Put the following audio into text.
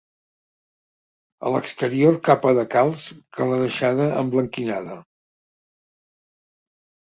A l'exterior capa de calç que l'ha deixada emblanquinada.